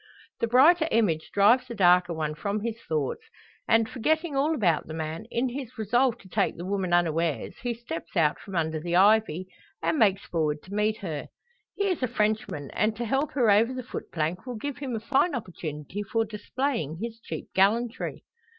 The brighter image drives the darker one from his thoughts; and, forgetting all about the man, in his resolve to take the woman unawares, he steps out from under the ivy, and makes forward to meet her. He is a Frenchman, and to help her over the footplank will give him a fine opportunity for displaying his cheap gallantry.